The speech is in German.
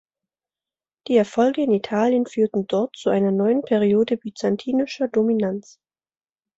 Die Erfolge in Italien führten dort zu einer neuen Periode byzantinischer Dominanz.